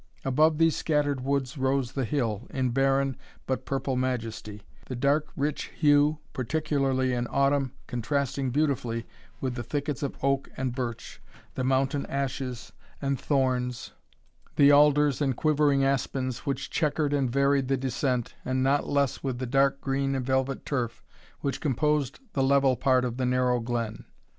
Above these scattered woods rose the hill, in barren, but purple majesty; the dark rich hue, particularly in autumn, contrasting beautifully with the thickets of oak and birch, the mountain ashes and thorns, the alders and quivering aspens, which checquered and varied the descent, and not less with the dark green and velvet turf, which composed the level part of the narrow glen.